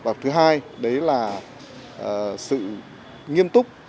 và thứ hai đấy là sự nghiêm túc